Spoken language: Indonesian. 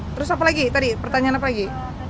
terus apa lagi tadi pertanyaan apa lagi